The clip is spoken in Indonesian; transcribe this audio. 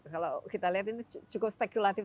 kalau kita lihat ini cukup spekulatif